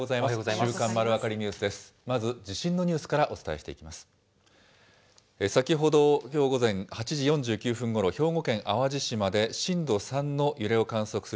週刊まるわかりニュースです。